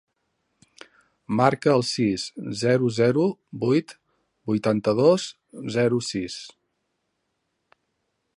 Marca el sis, zero, zero, vuit, vuitanta-dos, zero, sis.